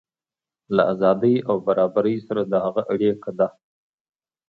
له ازادۍ او برابرۍ سره د هغه اړیکه ده.